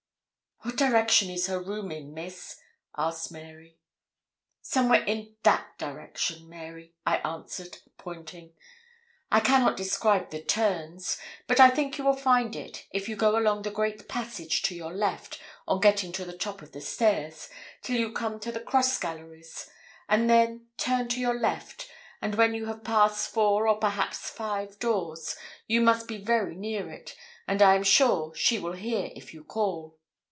'What direction is her room in, Miss?' asked Mary. 'Somewhere in that direction, Mary,' I answered, pointing. 'I cannot describe the turns; but I think you will find it if you go along the great passage to your left, on getting to the top of the stairs, till you come to the cross galleries, and then turn to your left; and when you have passed four or perhaps five doors, you must be very near it, and I am sure she will hear if you call.'